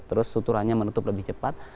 terus uturanya menutup lebih cepat